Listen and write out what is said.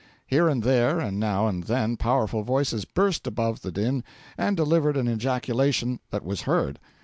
Here and there and now and then powerful voices burst above the din, and delivered an ejaculation that was heard.